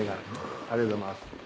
ありがとうございます。